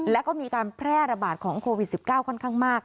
แล้วก็มีการแพร่ระบาดของโควิด๑๙ค่อนข้างมาก